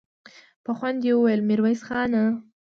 په خوند يې وويل: ميرويس خانه!